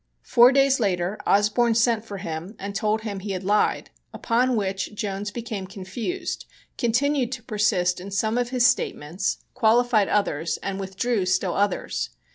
Four days later Osborne sent for him and told him he had lied, upon which Jones became confused, continued to persist in some of his statements, qualified others and withdrew still others.